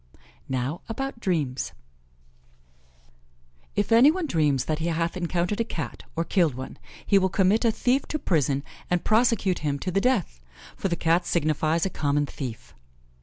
Now about dreams: If any one dreams that he hath encountered a Cat, or killed one, he will commit a thief to prison and prosecute him to the death, for the Cat signifies a common thief.